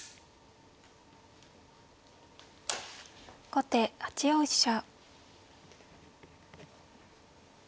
後手８四飛車。